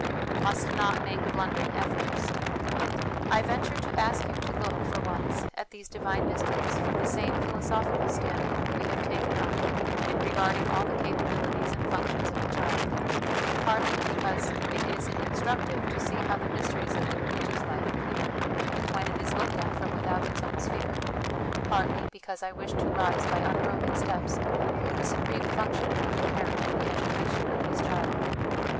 Must not make Blundering Efforts. I venture to ask you to look, for once, at these divine mysteries from the same philosophical standpoint we have taken up in regarding all the capabilities and functions of the child, partly, because it is in structive to see how the mysteries of the religious THE WILL CONSCIENCE DIVINE LIFE 345 life appear when it is looked at from without its own sphere; partly, because I wish to rise by unbroken steps to the supreme function of the parent in the education of his child.